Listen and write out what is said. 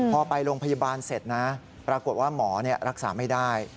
พอไปโรงพยาบาลเสร็จนะปรากฏว่าหมอรักษาไม่ได้